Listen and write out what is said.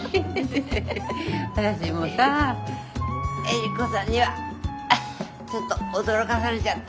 私もさエリコさんにはちょっと驚かされちゃった。